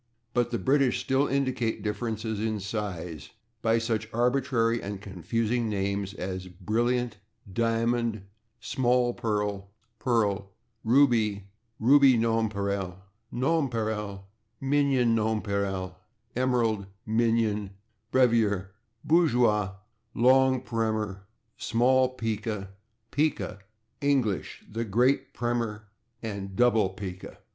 But the English still indicate differences in size by such arbitrary and confusing names as /brilliant/, /diamond/, /small pearl/, /pearl/, /ruby/, /ruby nonpareil/, /nonpareil/, /minion nonpareil/, /emerald/, /minion/, /brevier/, /bourgeois/, /long primer/, /small pica/, /pica/, /English/, /great primer/ and /double pica